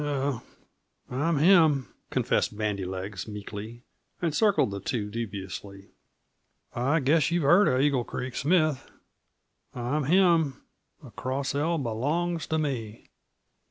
"Er I'm him," confessed Bandy legs meekly, and circled the two dubiously. "I guess you've heard uh Eagle Creek Smith I'm him. The Cross L belongs to me."